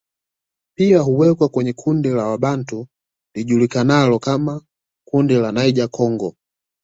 Pia huwekwa kwenye kundi la Wabantu lijulikanalo kama kundi la Niger Congo